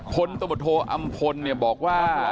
พศอำปนจะบอกว่า